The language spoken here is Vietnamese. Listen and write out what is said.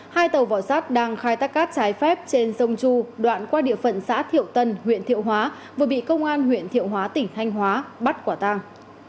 hai tàu vỏ sát đang khai thác cát trái phép trên sông chu đoạn qua địa phận xã thiệu tân huyện thiệu hóa vừa bị công an huyện thiệu hóa tỉnh thanh hóa bắt quả tàng